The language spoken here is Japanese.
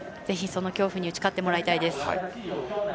ぜひ、その恐怖に打ち勝ってもらいたいです。